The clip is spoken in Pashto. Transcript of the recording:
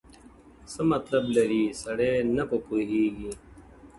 څه مطلب لري سړی نه په پوهېږي!!